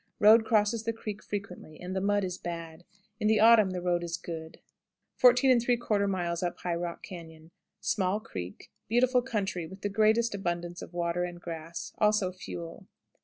Road crosses the creek frequently, and the mud is bad. In the autumn the road is good. 14 3/4. High Rock Cañon. Small Creek. Beautiful country, with the greatest abundance of water and grass; also fuel.